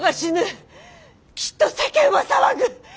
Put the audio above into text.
きっと世間は騒ぐ！